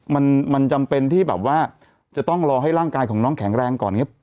มันมันจำเป็นที่แบบว่าจะต้องรอให้ร่างกายของน้องแข็งแรงก่อนอย่างนี้